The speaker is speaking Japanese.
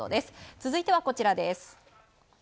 続いては、こちらです。